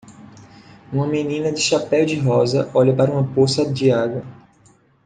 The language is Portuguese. Uma menina de chapéu-de-rosa olha para uma poça de água.